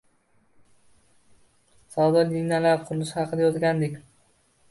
savdo liniyalari qurilishi haqida yozgandik